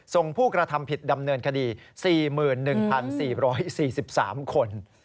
ผู้กระทำผิดดำเนินคดี๔๑๔๔๓คน